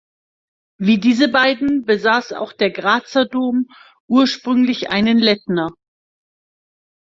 Wie diese beiden besaß auch der Grazer Dom ursprünglich einen Lettner.